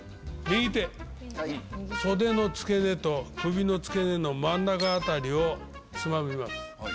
袖の付け根と首の付け根の真ん中あたりをつまみます。